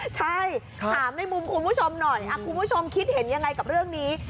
ใช่ถามในมุมคุณผู้ชมหน่อยคุณผู้ชมคิดเห็นยังไงกับเรื่องนี้